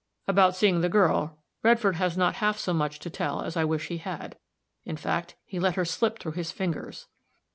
"About seeing the girl, Redfield has not half so much to tell as I wish he had. In fact, he let her slip through his fingers."